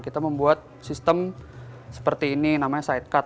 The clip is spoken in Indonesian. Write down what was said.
kita membuat sistem seperti ini namanya side card